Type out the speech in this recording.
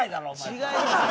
違いますよ。